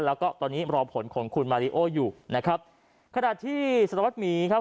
แล้วก็ตอนนี้รอผลของคุณมาริโออยู่นะครับขณะที่สารวัตรหมีครับ